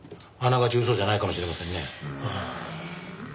あながち嘘じゃないかもしれませんね。